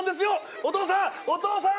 お父さんお父さん！